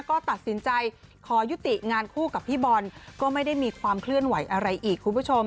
ก็ตัดสินใจขอยุติงานคู่กับพี่บอลก็ไม่ได้มีความเคลื่อนไหวอะไรอีกคุณผู้ชม